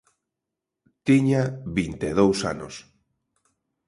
Tiña vinte e dous anos.